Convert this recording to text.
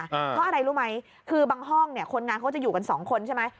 เพราะอะไรรู้ไหมคือบางห้องเนี่ยคนงานเขาจะอยู่กันสองคนใช่ไหม